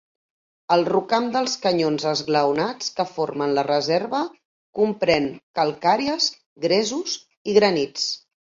El rocam dels canyons esglaonats que formen la reserva comprèn calcàries, gresos i granits.